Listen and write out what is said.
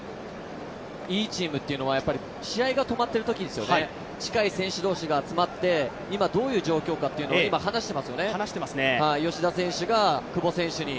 いいチームっていうのは試合に止まっているときに近い選手同士が集まって今、どういう状況かってのを今、話していますよね、吉田選手が久保選手に。